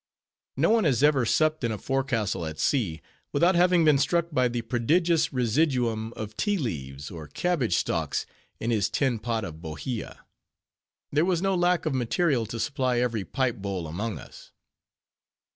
No one has ever supped in a forecastle at sea, without having been struck by the prodigious residuum of tea leaves, or cabbage stalks, in his tin pot of bohea. There was no lack of material to supply every pipe bowl among us.